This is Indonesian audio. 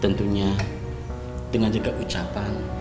tentunya dengan jaga ucal